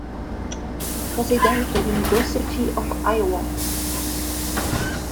Präsident der University of Iowa.